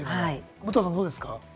武藤さん、どうですか？